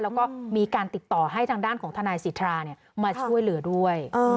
แล้วก็มีการติดต่อให้ทางด้านของทนายสิทธามาช่วยเหลือด้วย